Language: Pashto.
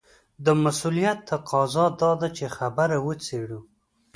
د مسووليت تقاضا دا ده چې خبره وڅېړو.